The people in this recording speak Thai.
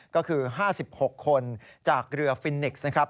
ก็คือ๕๖คนจากเรือฟินนิกส์นะครับ